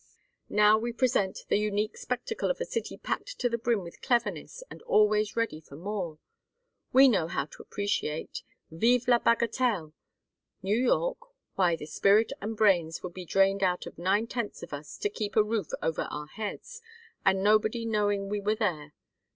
Now we present the unique spectacle of a city packed to the brim with cleverness and always ready for more. We know how to appreciate. Vive la bagatelle. New York? Why, the spirit and brains would be drained out of nine tenths of us trying to keep a roof over our heads, and nobody knowing we were there.